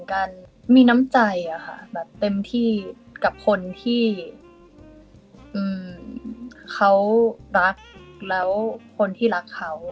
การมีน้ำใจอะค่ะแบบเต็มที่กับคนที่เขารักแล้วคนที่รักเขา